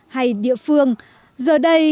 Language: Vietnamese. hay địa phương giờ đây